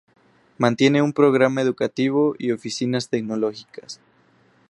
Mantiene un programa educativo y oficinas tecnológicas.